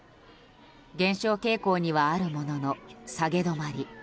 減少傾向にはあるものの下げ止まり。